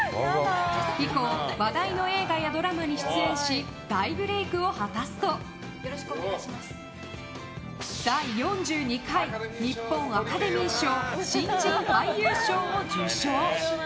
以降、話題の映画やドラマに出演し大ブレークを果たすと第４２回日本アカデミー賞新人俳優賞を受賞！